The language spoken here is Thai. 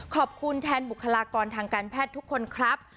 ขอบคุณแทนบุคลากรทางการแพทย์ทุกคนครับ